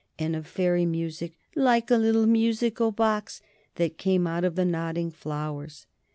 and of fairy music, "like a little musical box," that came out of nodding flowers.